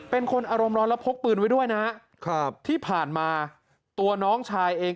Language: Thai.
เป็นคนอารมณ์ร้อนแล้วพกปืนไว้ด้วยนะครับที่ผ่านมาตัวน้องชายเอง